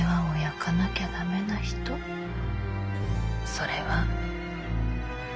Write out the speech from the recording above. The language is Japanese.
それは。